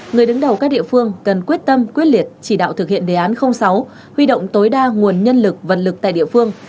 người đứng đầu các địa phương cần quyết tâm quyết liệt chỉ đạo thực hiện đề án sáu huy động tối đa nguồn nhân lực vật lực tại địa phương